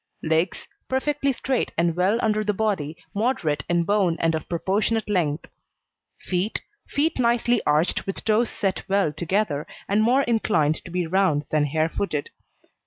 LEGS Perfectly straight and well under the body, moderate in bone, and of proportionate length. FEET Feet nicely arched, with toes set well together, and more inclined to be round than hare footed.